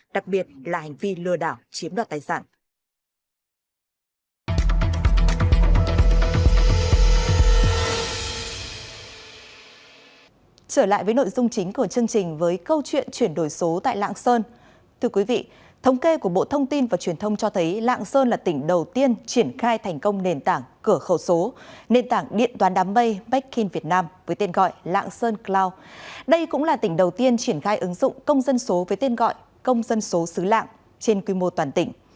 đặc biệt là hành vi lừa đảo chiếm đoạt tài sản